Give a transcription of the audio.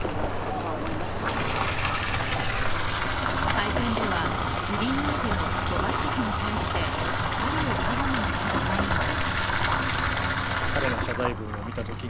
会見では、不倫相手の鳥羽シェフに対して怒りをあらわにする場面も。